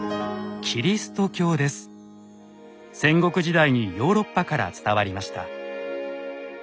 戦国時代にヨーロッパから伝わりました。